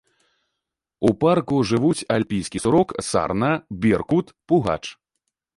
У парку жывуць альпійскі сурок, сарна, беркут, пугач.